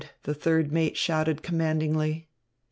the third mate shouted commandingly.